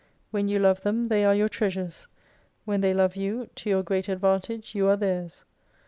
When you love them, they are your treasures ; when they love you, to your great advantage you are theirs.